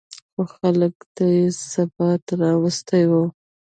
خو خلکو ته یې ثبات راوستی و